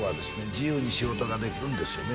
自由に仕事ができるんですよね